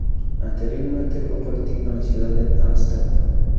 Anteriormente fue político en la ciudad de Ámsterdam.